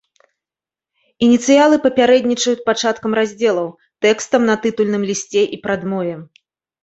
Ініцыялы папярэднічаюць пачаткам раздзелаў, тэкстам на тытульным лісце і прадмове.